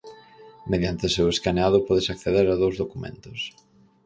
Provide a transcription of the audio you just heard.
Mediante o seu escaneado pódese acceder a dous documentos.